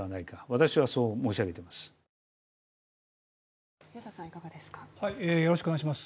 私はそう申し上げています。